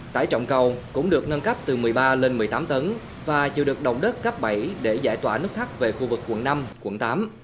tải trọng cầu cũng được nâng cấp từ một mươi ba lên một mươi tám tấn và chịu được động đất cấp bảy để giải tỏa nút thắt về khu vực quận năm quận tám